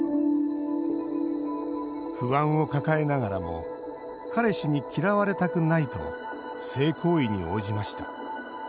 不安を抱えながらも彼氏に嫌われたくないと性行為に応じました。